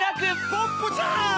ポッポちゃん！